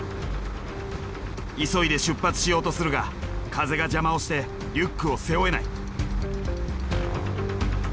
急いで出発しようとするが風が邪魔をしてリュックを背負えない。